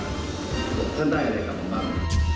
หลบเพื่อนได้อะไรกับเหมือนบ้าง